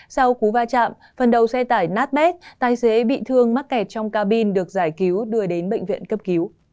sau cú va chạm phần đầu xe tải nát bét tài xế bị thương mắc kẹt trong cabin được giải cứu đưa đến bệnh viện cấp cứu